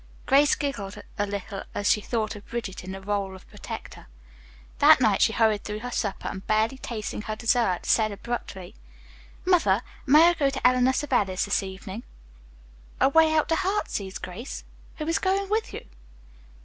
Grace giggled a little as she thought of Bridget in the role of protector. That night she hurried through her supper, and, barely tasting her dessert, said abruptly: "Mother, may I go to Eleanor Savelli's this evening?" "Away out to 'Heartsease,' Grace? Who is going with you?"